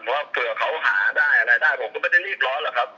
เพราะเผื่อเขาหาได้อะไรได้ผมก็ไม่ได้รีบร้อนหรอกครับ